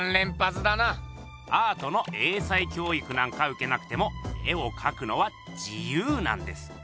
アートの英才教育なんかうけなくても絵をかくのは自由なんです。